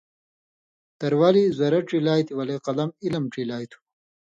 تروالیۡ ضرر ڇیلیائ تھی ولے قلم علم ڇیلیائ تُھو،